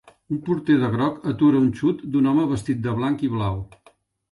Un porter de groc atura un xut d'un home vestit de blanc i blau.